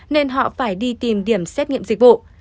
nên họ phải đi tìm điểm xét nghiệm dịch vụ